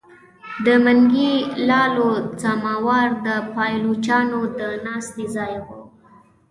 د منګي لالو سماوار د پایلوچانو د ناستې ځای وو.